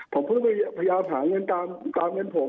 ผมเพิ่งพยายามหาเงินตามเงินผม